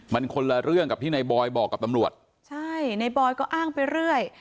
มันคนละเรื่องกับที่ในบอยบอกกับตำรวจใช่ในบอยก็อ้างไปเรื่อย